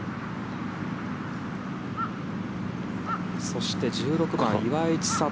そして１６番岩井千怜。